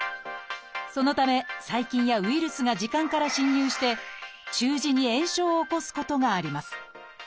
そのため細菌やウイルスが耳管から侵入して中耳に炎症を起こすことがあります。